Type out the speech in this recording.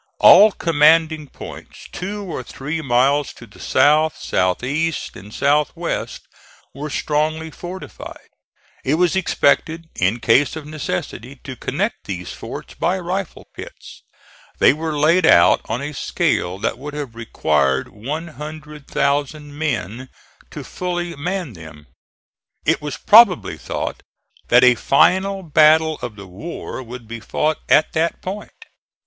All commanding points two or three miles to the south, south east and south west were strongly fortified. It was expected in case of necessity to connect these forts by rifle pits. They were laid out on a scale that would have required 100,000 men to fully man them. It was probably thought that a final battle of the war would be fought at that point.